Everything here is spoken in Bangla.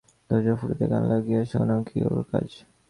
দরজার ফুটোতে কান লাগিয়ে শোনাও কি ওর কাজ?